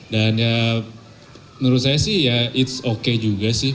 dan ya menurut saya sih ya it's oke juga sih